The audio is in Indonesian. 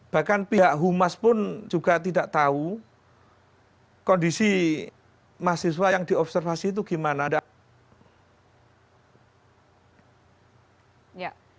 bahkan pihak humas pun juga tidak tahu kondisi mahasiswa yang diobservasi itu gimana